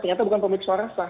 ternyata bukan pemilik suara sah